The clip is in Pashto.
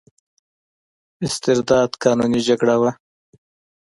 استرداد قانوني جګړه وه.